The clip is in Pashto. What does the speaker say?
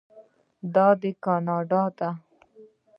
دا دی کاناډا.